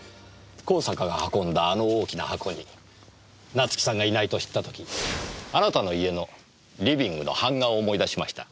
香坂が運んだあの大きな箱に夏樹さんがいないと知った時あなたの家のリビングの版画を思い出しました。